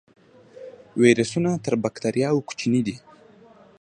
ویروسونه تر بکتریاوو کوچني دي